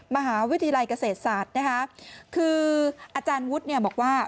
มหาวิทยาลัยเกษตรศาสตร์คืออาจารย์วุทธ์บอกว่า